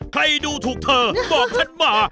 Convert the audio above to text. ใครดูถูกเธอบอกฉันมา